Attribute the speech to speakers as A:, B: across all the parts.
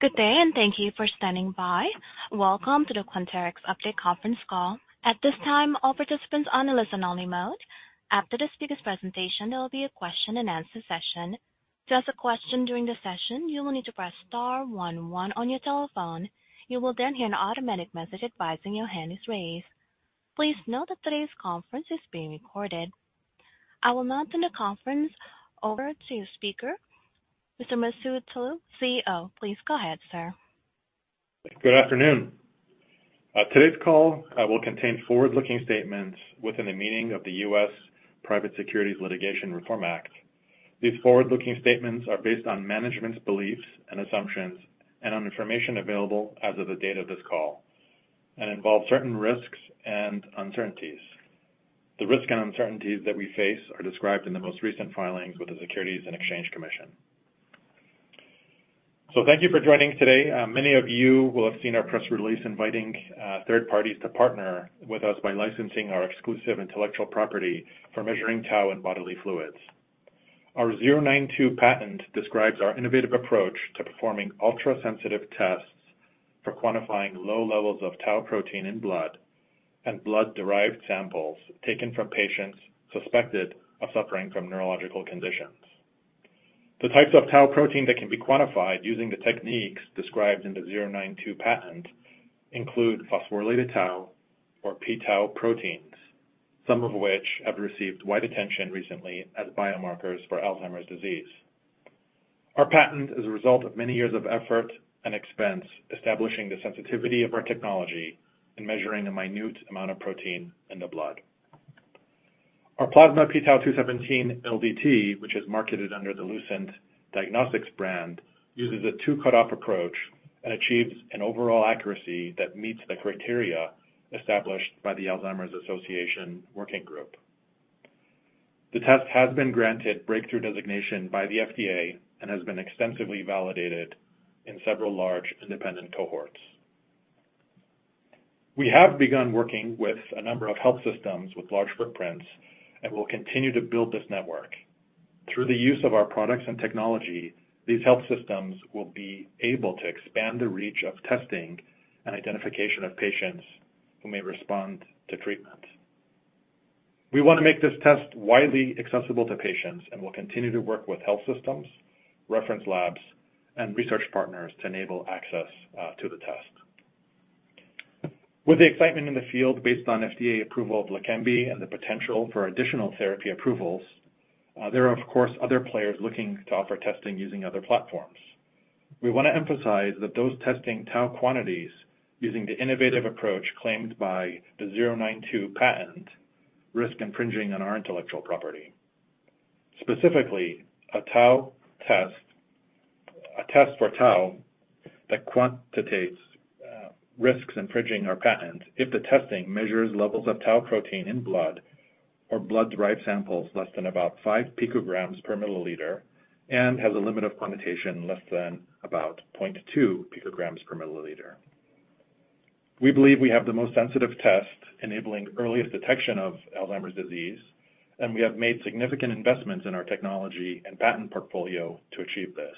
A: Good day, and thank you for standing by. Welcome to the Quanterix update conference call. At this time, all participants are in listen-only mode. After the speaker's presentation, there will be a question-and-answer session. To ask a question during the session, you will need to press star one one on your telephone. You will then hear an automatic message advising your hand is raised. Please note that today's conference is being recorded. I will now turn the conference over to speaker, Mr. Masoud Toloue, CEO. Please go ahead, ir.
B: Good afternoon. Today's call will contain forward-looking statements within the meaning of the U.S. Private Securities Litigation Reform Act. These forward-looking statements are based on management's beliefs and assumptions and on information available as of the date of this call, and involve certain risks and uncertainties. The risks and uncertainties that we face are described in the most recent filings with the Securities and Exchange Commission. So thank you for joining today. Many of you will have seen our press release inviting third parties to partner with us by licensing our exclusive intellectual property for measuring tau in bodily fluids. Our '092 patent describes our innovative approach to performing ultra-sensitive tests for quantifying low levels of tau protein in blood and blood-derived samples taken from patients suspected of suffering from neurological conditions. The types of tau protein that can be quantified using the techniques described in the '092 patent include phosphorylated tau or p-Tau proteins, some of which have received wide attention recently as biomarkers for Alzheimer's disease. Our patent is a result of many years of effort and expense establishing the sensitivity of our technology in measuring a minute amount of protein in the blood. Our plasma p-Tau217 LDT, which is marketed under the Lucent Diagnostics brand, uses a two-cut-off approach and achieves an overall accuracy that meets the criteria established by the Alzheimer's Association Working Group. The test has been granted breakthrough designation by the FDA and has been extensively validated in several large independent cohorts. We have begun working with a number of health systems with large footprints and will continue to build this network. Through the use of our products and technology, these health systems will be able to expand the reach of testing and identification of patients who may respond to treatment. We want to make this test widely accessible to patients and will continue to work with health systems, reference labs, and research partners to enable access to the test. With the excitement in the field based on FDA approval of Leqembi and the potential for additional therapy approvals, there are, of course, other players looking to offer testing using other platforms. We want to emphasize that those testing tau quantities using the innovative approach claimed by the '092 patent risk infringing on our intellectual property. Specifically, a tau test for tau that quantitates risks infringing our patent if the testing measures levels of tau protein in blood or blood-derived samples less than about 5 pg/mL and has a limit of quantitation less than about 0.2 pg/mL. We believe we have the most sensitive test enabling earliest detection of Alzheimer's disease, and we have made significant investments in our technology and patent portfolio to achieve this.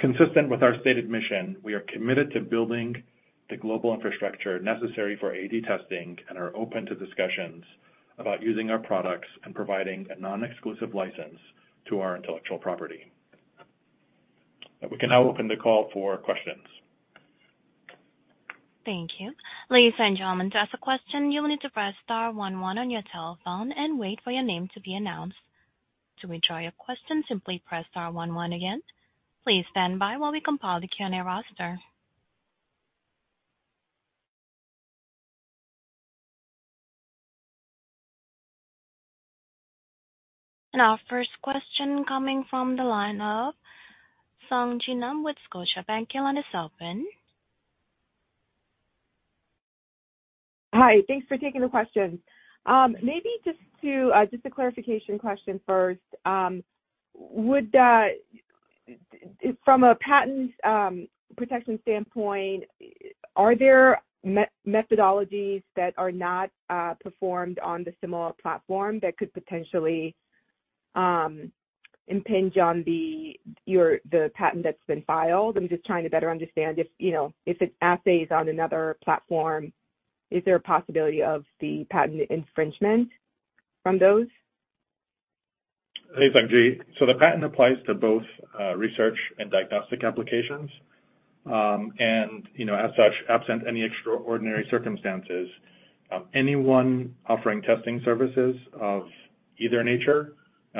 B: Consistent with our stated mission, we are committed to building the global infrastructure necessary for AD testing and are open to discussions about using our products and providing a non-exclusive license to our intellectual property. We can now open the call for questions.
A: Thank you. Ladies and gentlemen, to ask a question, you will need to press star one one on your telephone and wait for your name to be announced. To withdraw your question, simply press star one one again. Please stand by while we compile the Q&A roster. Our first question coming from the line of Sung Ji Nam with Scotiabank. Your line is open.
C: Hi. Thanks for taking the question. Maybe just a clarification question first. From a patent protection standpoint, are there methodologies that are not performed on the similar platform that could potentially impinge on the patent that's been filed? I'm just trying to better understand. If an assay is on another platform, is there a possibility of the patent infringement from those?
B: Hey, Sung Ji Nam. So the patent applies to both research and diagnostic applications. And as such, absent any extraordinary circumstances, anyone offering testing services of either nature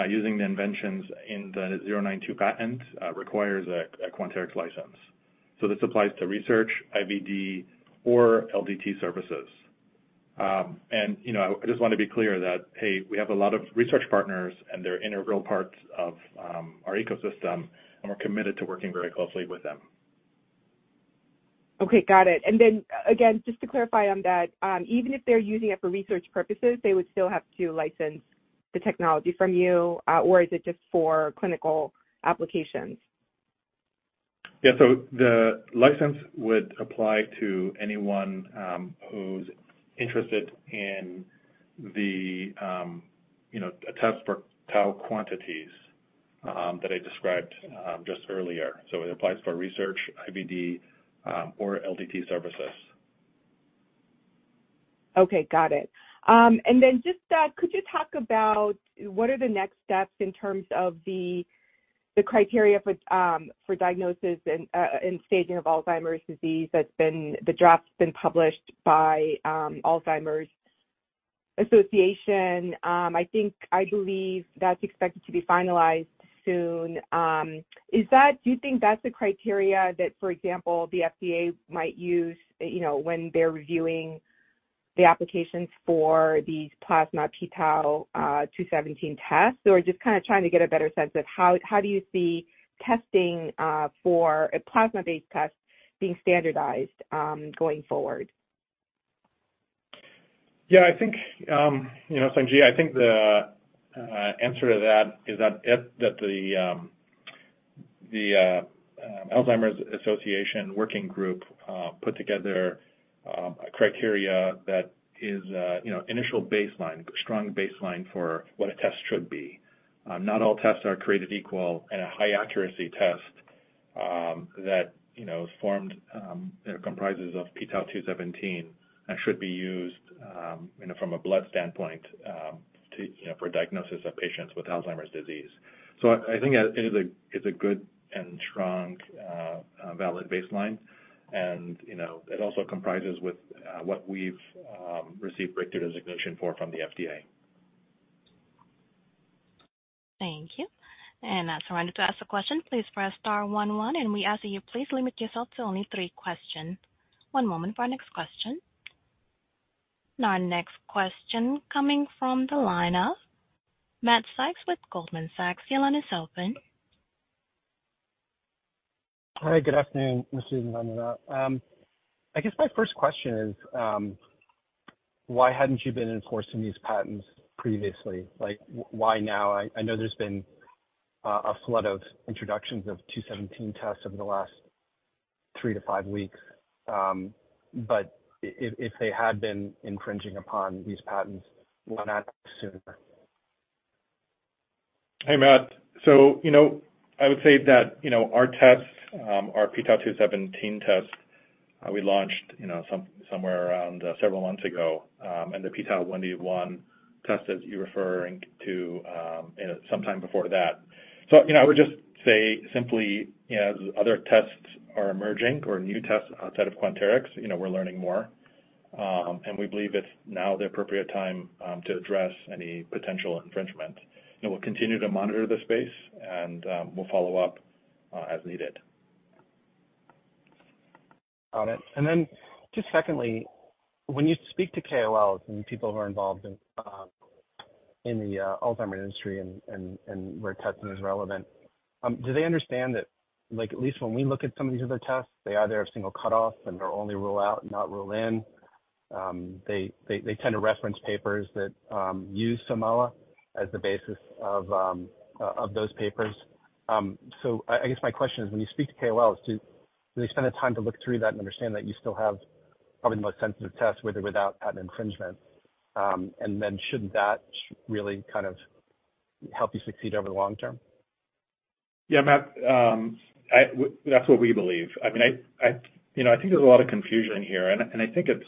B: using the inventions in the '092 patent requires a Quanterix license. So this applies to research, IVD, or LDT services. And I just want to be clear that, hey, we have a lot of research partners, and they're integral parts of our ecosystem, and we're committed to working very closely with them.
C: Okay. Got it. And then, again, just to clarify on that, even if they're using it for research purposes, they would still have to license the technology from you, or is it just for clinical applications?
B: Yeah. So the license would apply to anyone who's interested in a test for tau quantities that I described just earlier. So it applies for research, IVD, or LDT services.
C: Okay. Got it. And then, just could you talk about what are the next steps in terms of the criteria for diagnosis and staging of Alzheimer's disease? The draft's been published by Alzheimer's Association. I believe that's expected to be finalized soon. Do you think that's the criteria that, for example, the FDA might use when they're reviewing the applications for these plasma p-Tau217 tests? Or just kind of trying to get a better sense of how do you see testing for a plasma-based test being standardized going forward?
B: Yeah. Sung Ji, I think the answer to that is that the Alzheimer's Association Working Group put together a criteria that is an initial baseline, a strong baseline for what a test should be. Not all tests are created equal. A high-accuracy test that is formed comprises of p-Tau217 and should be used from a blood standpoint for diagnosis of patients with Alzheimer's disease. I think it is a good, and strong, and valid baseline. It also comprises with what we've received breakthrough designation for from the FDA.
A: Thank you. So I need to ask a question. Please press star one one, and we ask that you please limit yourself to only three questions. One moment for our next question. Our next question coming from the line of Matt Sykes with Goldman Sachs. Your line is open.
D: Hi. Good afternoon, Ms. Vandana. I guess my first question is, why hadn't you been enforcing these patents previously? Why now? I know there's been a flood of introductions of '217 tests over the last three to five weeks. But if they had been infringing upon these patents, why not sooner?
B: Hey, Matt. So I would say that our test, our p-Tau217 test, we launched somewhere around several months ago. The p-Tau181 test is referring to some time before that. So I would just say simply, as other tests are emerging or new tests outside of Quanterix, we're learning more. We believe it's now the appropriate time to address any potential infringement. We'll continue to monitor the space, and we'll follow up as needed.
D: Got it. And then just secondly, when you speak to KOLs and people who are involved in the Alzheimer's industry and where testing is relevant, do they understand that at least when we look at some of these other tests, they either have single cutoffs and they're only rule out, not rule in? They tend to reference papers that use Simoa as the basis of those papers. So I guess my question is, when you speak to KOLs, do they spend the time to look through that and understand that you still have probably the most sensitive tests with or without patent infringement? And then shouldn't that really kind of help you succeed over the long term?
B: Yeah, Matt. That's what we believe. I mean, I think there's a lot of confusion here. And I think it's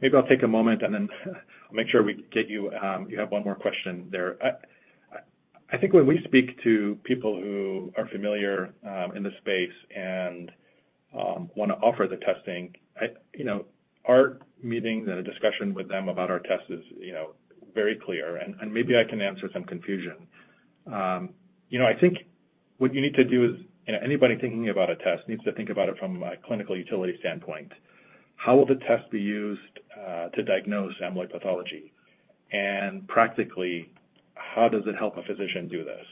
B: maybe I'll take a moment, and then I'll make sure we get you you have one more question there. I think when we speak to people who are familiar in the space and want to offer the testing, our meetings and the discussion with them about our test is very clear. And maybe I can answer some confusion. I think what you need to do is anybody thinking about a test needs to think about it from a clinical utility standpoint. How will the test be used to diagnose amyloid pathology? And practically, how does it help a physician do this?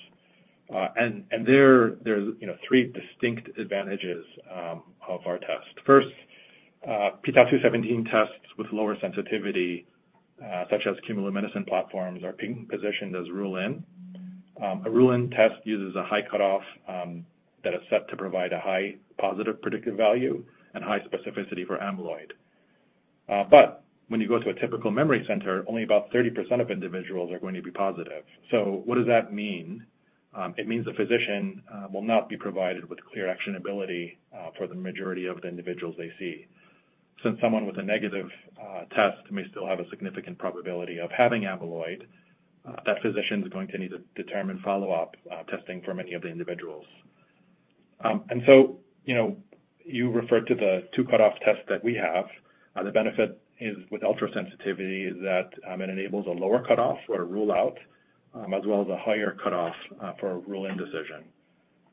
B: And there are three distinct advantages of our test. First, p-Tau217 tests with lower sensitivity, such as chemiluminescence platforms, are positioned as rule-in. A rule-in test uses a high cutoff that is set to provide a high positive predictive value and high specificity for amyloid. But when you go to a typical memory center, only about 30% of individuals are going to be positive. So what does that mean? It means the physician will not be provided with clear actionability for the majority of the individuals they see. Since someone with a negative test may still have a significant probability of having amyloid, that physician's going to need to determine follow-up testing for many of the individuals. And so you referred to the two-cutoff test that we have. The benefit with ultra-sensitivity is that it enables a lower cutoff or a rule-out as well as a higher cutoff for a rule-in decision.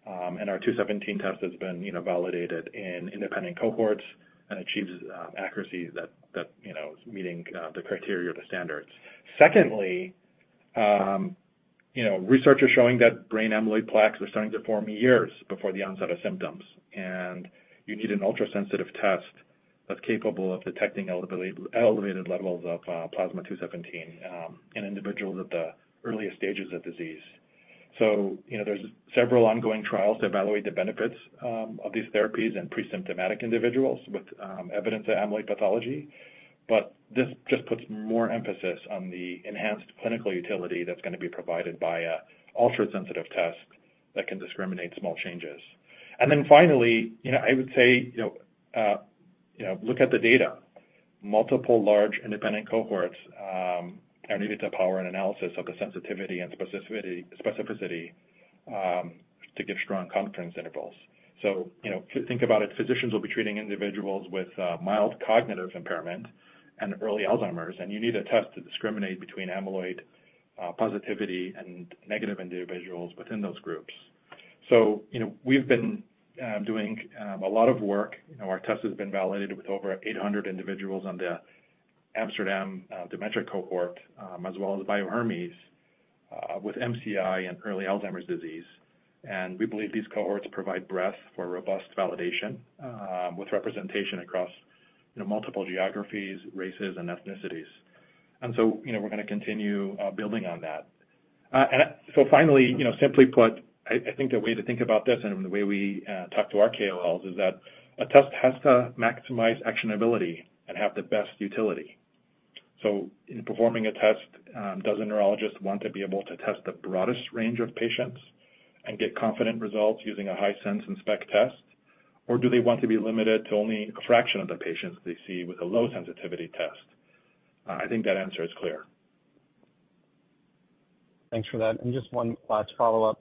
B: And our '217 test has been validated in independent cohorts and achieves accuracy that's meeting the criteria or the standards. Secondly, research is showing that brain amyloid plaques are starting to form years before the onset of symptoms. You need an ultra-sensitive test that's capable of detecting elevated levels of plasma p-Tau217 in individuals at the earliest stages of disease. There's several ongoing trials to evaluate the benefits of these therapies in presymptomatic individuals with evidence of amyloid pathology. This just puts more emphasis on the enhanced clinical utility that's going to be provided by an ultra-sensitive test that can discriminate small changes. Finally, I would say look at the data. Multiple large independent cohorts are needed to power an analysis of the sensitivity and specificity to give strong confidence intervals. Think about it. Physicians will be treating individuals with mild cognitive impairment and early Alzheimer's. You need a test to discriminate between amyloid-positivity and negative individuals within those groups. So we've been doing a lot of work. Our test has been validated with over 800 individuals on the Amsterdam Dementia Cohort, as well as Bio-Hermes with MCI and early Alzheimer's disease. We believe these cohorts provide breadth for robust validation with representation across multiple geographies, races, and ethnicities. We're going to continue building on that. Finally, simply put, I think the way to think about this and the way we talk to our KOLs is that a test has to maximize actionability and have the best utility. In performing a test, does a neurologist want to be able to test the broadest range of patients and get confident results using a high-sense and spec test? Or do they want to be limited to only a fraction of the patients they see with a low-sensitivity test? I think that answer is clear.
D: Thanks for that. And just one last follow-up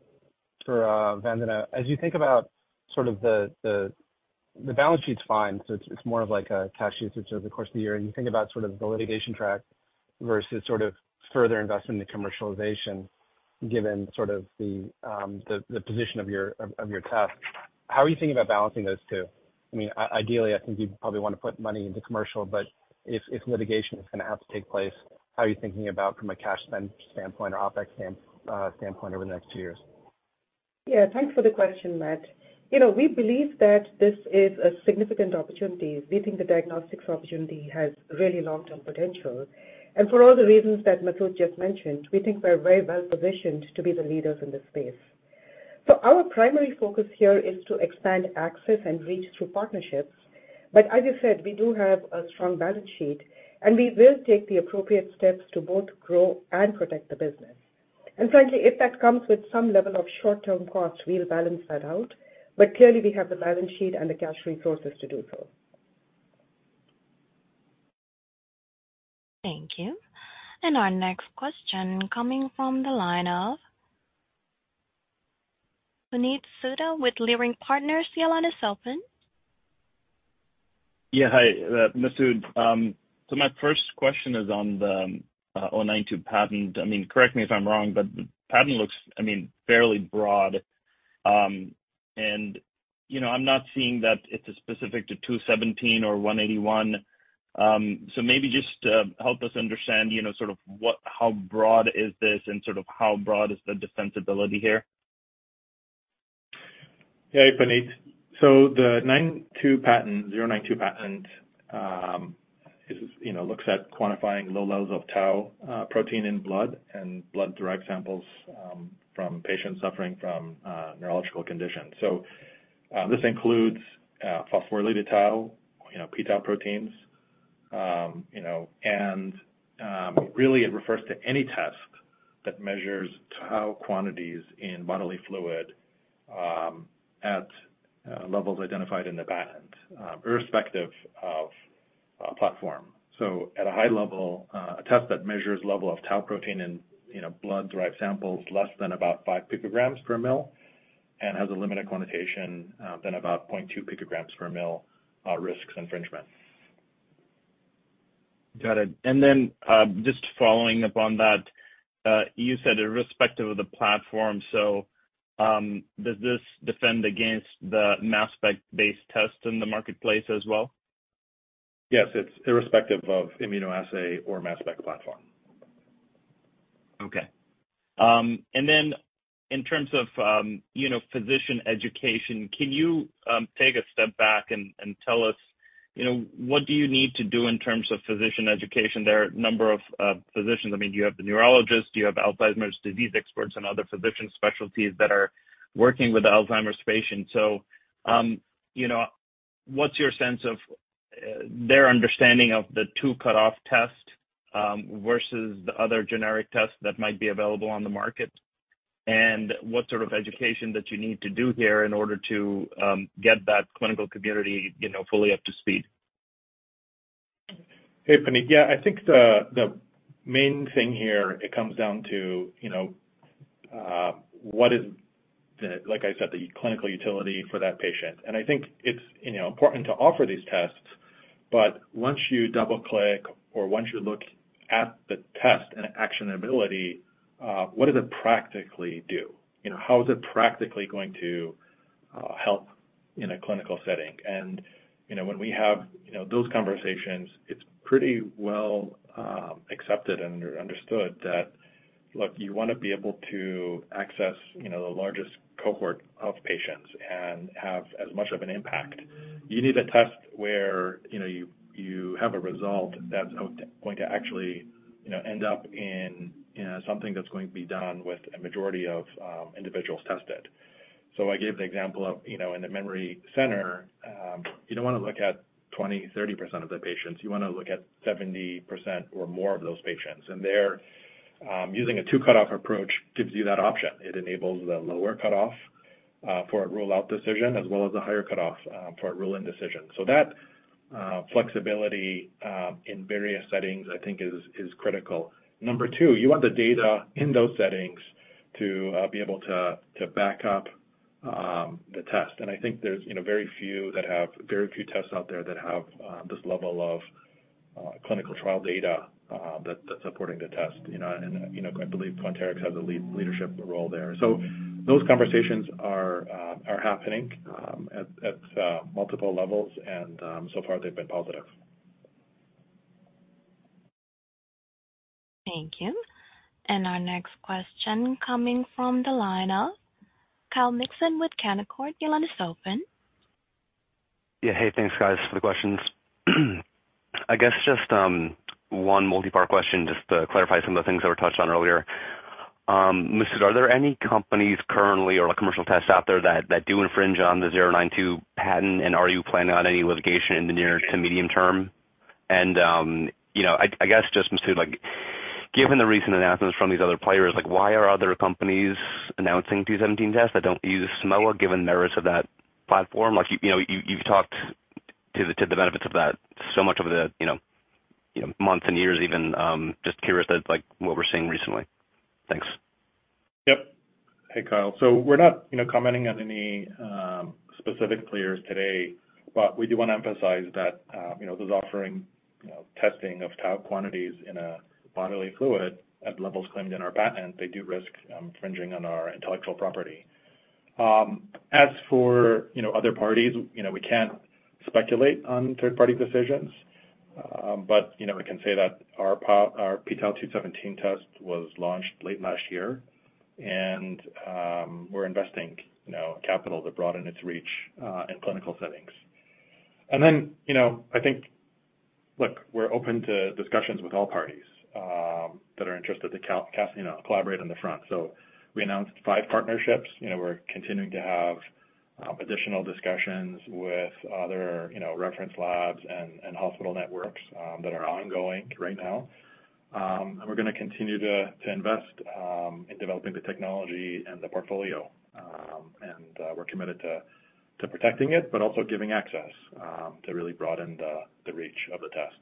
D: for Vandana. As you think about sort of the balance sheet's fine. So it's more of like a cash sheet that goes across the year. And you think about sort of the litigation track versus sort of further investment in commercialization, given sort of the position of your test. How are you thinking about balancing those two? I mean, ideally, I think you'd probably want to put money into commercial. But if litigation is going to have to take place, how are you thinking about from a cash spend standpoint or OpEx standpoint over the next two years?
E: Yeah. Thanks for the question, Matt. We believe that this is a significant opportunity. We think the diagnostics opportunity has really long-term potential. And for all the reasons that Masoud just mentioned, we think we're very well positioned to be the leaders in this space. So our primary focus here is to expand access and reach through partnerships. But as you said, we do have a strong balance sheet. And we will take the appropriate steps to both grow and protect the business. And frankly, if that comes with some level of short-term cost, we'll balance that out. But clearly, we have the balance sheet and the cash resources to do so.
A: Thank you. Our next question coming from the line of Puneet Souda with Leerink Partners. Your line is open.
F: Yeah. Hi, Masoud. My first question is on the '092 patent. I mean, correct me if I'm wrong, but the patent looks, I mean, fairly broad. And I'm not seeing that it's specific to '217 or '181. So maybe just help us understand, sort of how broad is this, and sort of how broad is the defensibility here?
B: Yeah, hey, Puneet. So the '092 patent looks at quantifying low levels of tau protein in blood and blood-derived samples from patients suffering from neurological conditions. So this includes phosphorylated tau, p-Tau proteins. And really, it refers to any test that measures tau quantities in bodily fluid at levels identified in the patent, irrespective of platform. So at a high level, a test that measures the level of tau protein in blood-derived samples less than about 5 pg/mL and has a limit of quantitation less than about 0.2 pg/mL risks infringement.
F: Got it. And then just following up on that, you said, irrespective of the platform. So does this defend against the mass spec-based test in the marketplace as well?
B: Yes. It's irrespective of immunoassay or mass spec platform.
F: Okay. And then in terms of physician education, can you take a step back and tell us what do you need to do in terms of physician education? There are a number of physicians. I mean, you have the neurologists. You have Alzheimer's disease experts and other physician specialties that are working with Alzheimer's patients. So what's your sense of their understanding of the two-cutoff test versus the other generic tests that might be available on the market? And what sort of education that you need to do here in order to get that clinical community fully up to speed?
B: Hey, Puneet. Yeah. I think the main thing here, it comes down to what is, like I said, the clinical utility for that patient. And I think it's important to offer these tests. But once you double-click or once you look at the test and actionability, what does it practically do? How is it practically going to help in a clinical setting? And when we have those conversations, it's pretty well accepted and understood that, look, you want to be able to access the largest cohort of patients and have as much of an impact. You need a test where you have a result that's going to actually end up in something that's going to be done with a majority of individuals tested. So I gave the example of in the memory center, you don't want to look at 20%-30% of the patients. You want to look at 70% or more of those patients. Using a two-cutoff approach gives you that option. It enables the lower cutoff for a rule-out decision as well as the higher cutoff for a rule-in decision. That flexibility in various settings, I think, is critical. Number two, you want the data in those settings to be able to back up the test. I think there's very few that have very few tests out there that have this level of clinical trial data that's supporting the test. I believe Quanterix has a leadership role there. Those conversations are happening at multiple levels. So far, they've been positive.
A: Thank you. Our next question coming from the line of Kyle Mikson with Canaccord. Your line is open.
G: Yeah. Hey. Thanks, guys, for the questions. I guess just one multi-part question, just to clarify some of the things that were touched on earlier. Masoud, are there any companies currently or commercial tests out there that do infringe on the '092 patent? And are you planning on any litigation in the near to medium term? And I guess just, Masoud, given the recent announcements from these other players, why are other companies announcing '217 tests that don't use Simoa, given the merits of that platform? You've talked to the benefits of that so much over the months and years, even. Just curious what we're seeing recently. Thanks.
B: Yep. Hey, Kyle. So we're not commenting on any specific players today. But we do want to emphasize that those offering testing of tau quantities in a bodily fluid at levels claimed in our patent, they do risk infringing on our intellectual property. As for other parties, we can't speculate on third-party decisions. But we can say that our p-Tau217 test was launched late last year. And we're investing capital to broaden its reach in clinical settings. And then I think, look, we're open to discussions with all parties that are interested to collaborate on the front. So we announced five partnerships. We're continuing to have additional discussions with other reference labs and hospital networks that are ongoing right now. And we're going to continue to invest in developing the technology and the portfolio. We're committed to protecting it but also giving access to really broaden the reach of the test.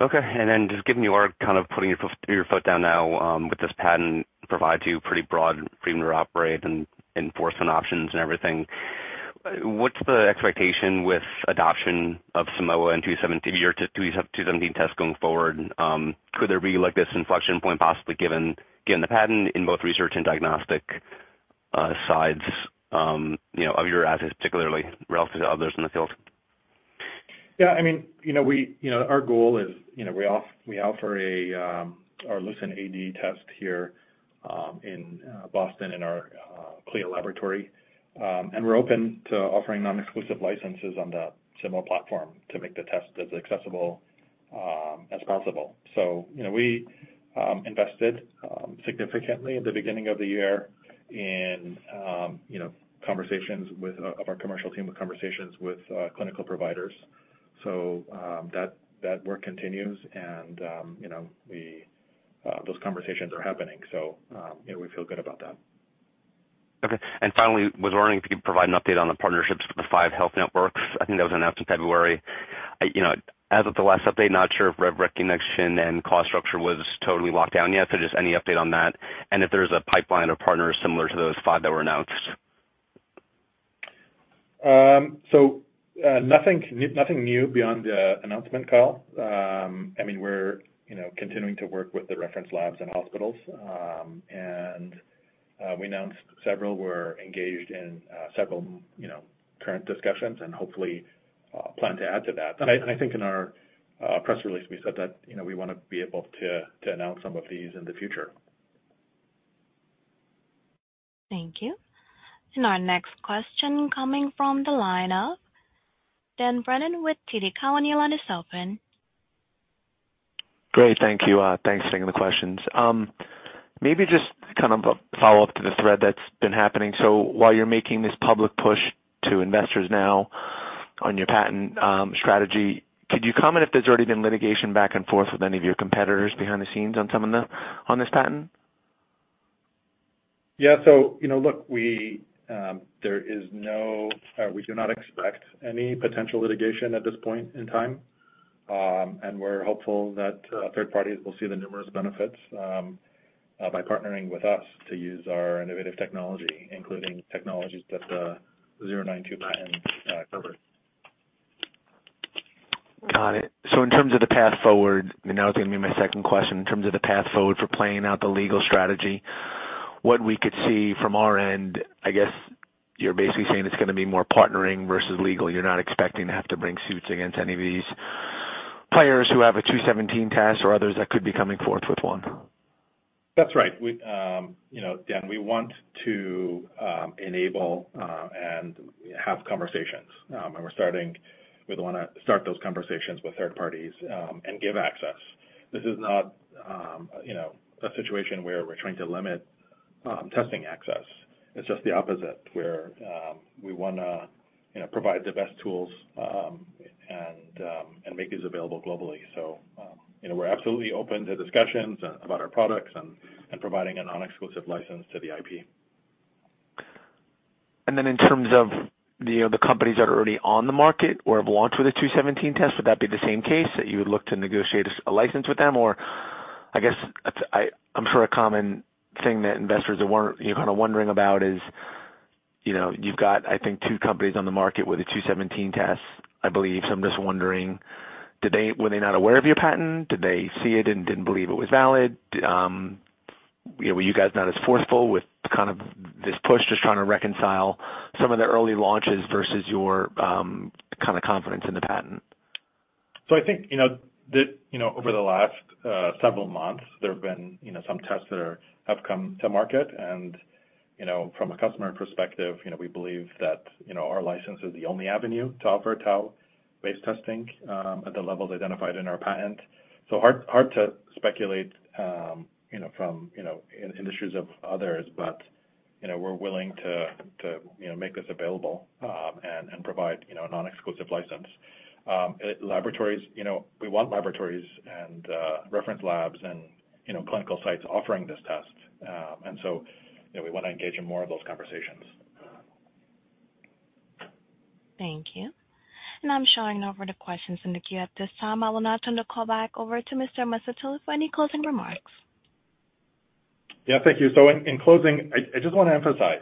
G: Okay. Then, just given you are kind of putting your foot down now, with this patent provides you pretty broad freedom to operate and enforce options and everything. What's the expectation with adoption of Simoa and your '217 test going forward? Could there be this inflection point, possibly given the patent in both research and diagnostic sides of your assets, particularly relative to others in the field?
B: Yeah. I mean, our goal is we offer our LucentAD test here in Boston in our CLIA laboratory. And we're open to offering non-exclusive licenses on the Simoa platform to make the test as accessible as possible. So we invested significantly at the beginning of the year in conversations with our commercial team with conversations with clinical providers. So that work continues. And those conversations are happening. So we feel good about that.
G: Okay. And finally, I was wondering if you could provide an update on the partnerships for the five health networks. I think that was announced in February. As of the last update, not sure if revenue recognition and cost structure was totally locked down yet. So, just any update on that? And if there's a pipeline of partners similar to those five that were announced.
B: Nothing new beyond the announcement, Kyle. I mean, we're continuing to work with the reference labs and hospitals. We announced several. We're engaged in several current discussions and hopefully plan to add to that. I think in our press release, we said that we want to be able to announce some of these in the future.
A: Thank you. Our next question coming from the line of Dan Brennan with TD Cowen. Your line is open.
H: Great. Thank you. Thanks for taking the questions. Maybe just kind of a follow-up to the thread that's been happening. So while you're making this public push to investors now on your patent strategy, could you comment if there's already been litigation back and forth with any of your competitors behind the scenes on this patent?
B: Yeah. So look, we do not expect any potential litigation at this point in time. And we're hopeful that third parties will see the numerous benefits by partnering with us to use our innovative technology, including technologies that the '092 patent covers.
H: Got it. So, in terms of the path forward, and now is going to be my second question. In terms of the path forward for playing out the legal strategy, what we could see from our end, I guess you're basically saying it's going to be more partnering versus legal. You're not expecting to have to bring suits against any of these players who have a '217 test or others that could be coming forth with one.
B: That's right. Dan, we want to enable and have conversations. And we're starting those conversations with third parties and give access. This is not a situation where we're trying to limit testing access. It's just the opposite, where we want to provide the best tools and make these available globally. So we're absolutely open to discussions about our products and providing a non-exclusive license to the IP.
H: And then, in terms of the companies that are already on the market or have launched with a '217 test, would that be the same case that you would look to negotiate a license with them? Or I guess I'm sure a common thing that investors are kind of wondering about is you've got, I think, two companies on the market with a '217 test, I believe. So I'm just wondering, were they not aware of your patent? Did they see it and didn't believe it was valid? Were you guys not as forceful with kind of this push, just trying to reconcile some of the early launches versus your kind of confidence in the patent?
B: I think that over the last several months, there have been some tests that have come to market. From a customer perspective, we believe that our license is the only avenue to offer tau-based testing at the levels identified in our patent. Hard to speculate from industries of others. We're willing to make this available and provide a non-exclusive license. We want laboratories, and reference labs, and clinical sites offering this test. We want to engage in more of those conversations.
A: Thank you. I'm shifting over to questions in the queue at this time. I will now turn the call back over to Mr. Masoud Toloue for any closing remarks.
B: Yeah. Thank you. So in closing, I just want to emphasize,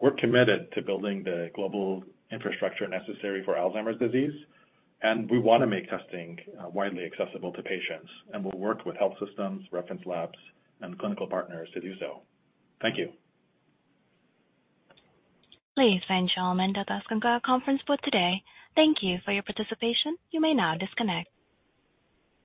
B: we're committed to building the global infrastructure necessary for Alzheimer's disease. We want to make testing widely accessible to patients. We'll work with health systems, reference labs, and clinical partners to do so. Thank you.
A: Please find Shane Lobo at the Canaccord conference booth today. Thank you for your participation. You may now disconnect.